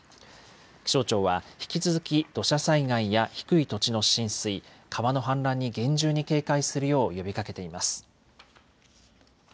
気象庁は引き続き土砂災害や低い土地の浸水、川の氾濫に厳重に警戒するよう呼びかけています。